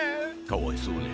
かわいそうに。